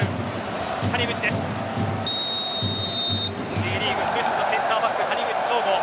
Ｊリーグ屈指のセンターバック、谷口彰悟。